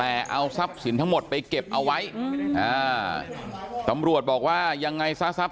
เพราะมันจะต่อยแต่แล้วก็แฟเขาดึงไว้เอานะ